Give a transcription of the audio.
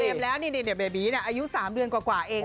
แล้วนี่เบบีอายุ๓เดือนกว่าเอง